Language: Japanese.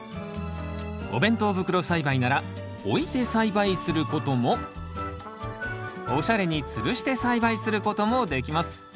お弁当袋栽培なら置いて栽培することもおしゃれにつるして栽培することもできます。